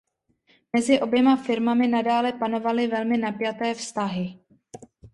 Mezi oběma firmami nadále panovaly velmi napjaté vztahy.